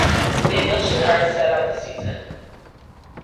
Daniel Chenard sat out the season.